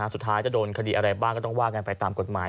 สุดท้ายจะโดนคดีอะไรบ้างก็ต้องว่ากันไปตามกฎหมาย